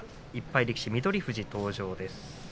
１敗力士、翠富士登場です。